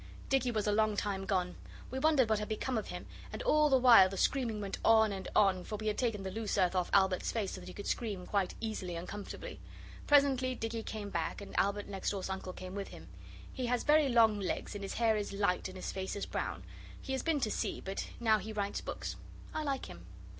Dicky was a long time gone. We wondered what had become of him, and all the while the screaming went on and on, for we had taken the loose earth off Albert's face so that he could scream quite easily and comfortably. Presently Dicky came back and Albert next door's uncle came with him. He has very long legs, and his hair is light and his face is brown. He has been to sea, but now he writes books. I like him.